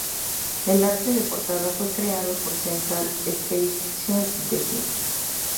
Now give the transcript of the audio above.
El arte de portada fue creado por Central Station Design.